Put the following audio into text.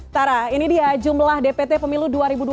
tara ini dia jumlah dpt pemilu dua ribu dua puluh